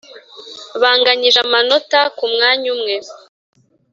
banganyije amanota ku mwanya umwe,